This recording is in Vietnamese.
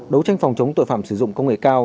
đấu tranh phòng chống tội phạm sử dụng công nghệ cao